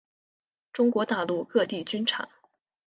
中国大陆各地均产。